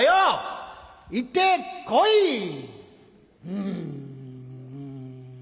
うん。